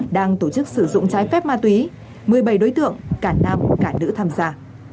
đang tổ chức sử dụng trái phép ma túy một mươi bảy đối tượng cả nam cả nữ tham gia